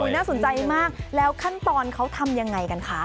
น่าสนใจมากแล้วขั้นตอนเขาทำยังไงกันคะ